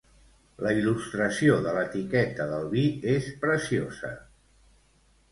La il·lustració de l'etiqueta del vi és preciosa.